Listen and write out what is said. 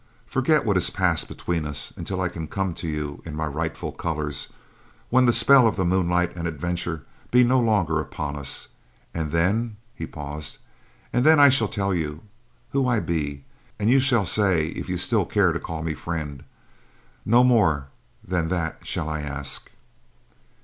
Forget what has passed between us until I can come to you in my rightful colors, when the spell of the moonlight and adventure be no longer upon us, and then,"—he paused—"and then I shall tell you who I be and you shall say if you still care to call me friend—no more than that shall I ask."